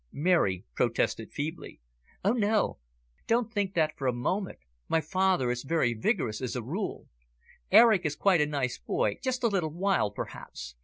Mary protested feebly. "Oh, no, don't think that for a moment. My father is very vigorous as a rule. Eric is quite a nice boy, just a little wild, perhaps.